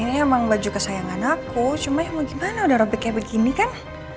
ini emang baju kesayangan aku cuma emang gimana udah robek kayak begini kan